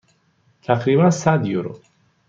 تقریبا صد یورو.